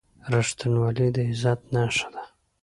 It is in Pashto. • رښتینولي د عزت نښه ده.